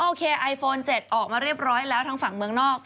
โอเคไอโฟน๗ออกมาเรียบร้อยแล้วทางฝั่งเมืองนอก